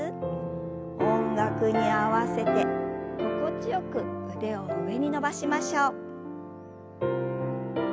音楽に合わせて心地よく腕を上に伸ばしましょう。